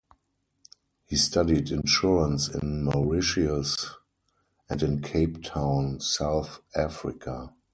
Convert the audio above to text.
He studied insurance in Mauritius and in Cape Town, South Africa.